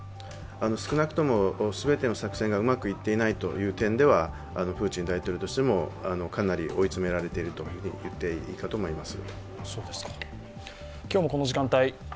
少なくとも全ての作戦がうまくいっていないという点ではプーチン大統領としてもかなり追い詰められていると言っていいかと思います。